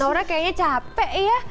naura kayaknya capek ya